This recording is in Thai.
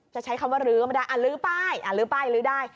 จะใช้คำว่ารื้อมาได้อ่ะรื้อป้ายอ่ะรื้อป้ายรื้อได้